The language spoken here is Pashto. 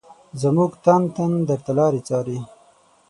زمونږ تن تن درته لاري څاري